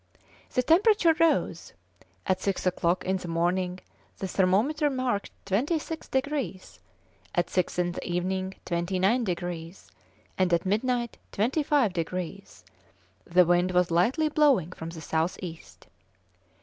The temperature rose. At six o'clock in the morning the thermometer marked twenty six degrees, at six in the evening twenty nine degrees, and at midnight twenty five degrees; the wind was lightly blowing from the south east.